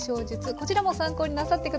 こちらも参考になさってください。